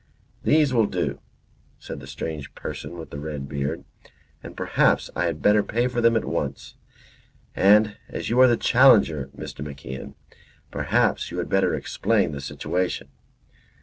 "These will do," said the strange person with the red beard. "And perhaps I had better pay for them at once. And as you are the challenger, Mr. MacIan, perhaps you had better explain the situation."